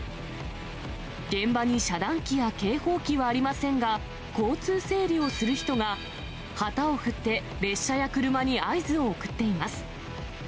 現場に遮断機や警報器はありませんが、交通整理をする人が、旗を振って列車や車に合図を送っています。